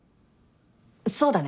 そうだね。